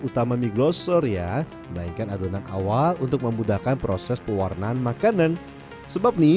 utama mie glosor ya melainkan adonan awal untuk memudahkan proses pewarnaan makanan sebab nih